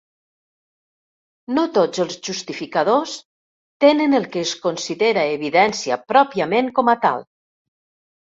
No tots els justificadors tenen el que es considera evidència pròpiament com a tal.